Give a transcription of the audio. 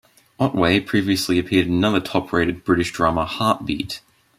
Otway previously appeared in another top-rated British drama "Heartbeat".